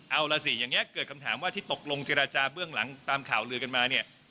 เอาล่ะสิอย่างนี้เกิดคำถามว่าที่ตกลงเจรจาเบื้องหลังตามข่าวลือกันมาเนี่ย